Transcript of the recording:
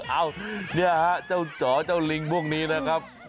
เอ้าเนี่ยฮะเจ้าจ๋อเจ้าลิงพวกนี้นะครับ